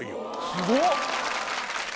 すごっ！